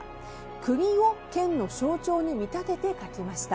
クギを剣の象徴に見立てて描きました。